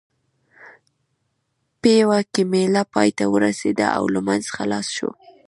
پېوه کې مېله پای ته ورسېده او لمونځ خلاص شو.